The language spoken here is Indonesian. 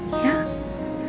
kamu bicara pelan pelan